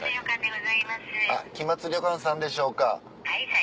木松旅館さんでしょうか。